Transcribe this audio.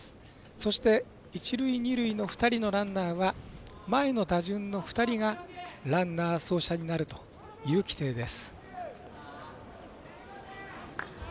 そして、一塁、二塁の２人のランナーは前の打順の２人がランナー走者になるという規定です。